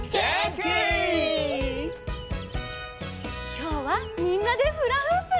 きょうはみんなでフラフープ！